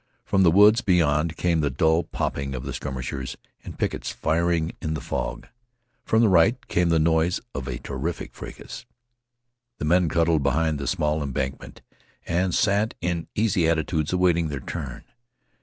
From the woods beyond came the dull popping of the skirmishers and pickets, firing in the fog. From the right came the noise of a terrific fracas. The men cuddled behind the small embankment and sat in easy attitudes awaiting their turn.